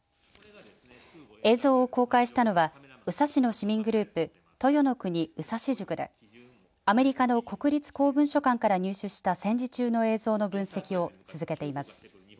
映像を公開したのは宇佐市の市民グループ、豊の国宇佐市塾でアメリカの国立公文書館から入手した戦時中の映像の分析を続けています。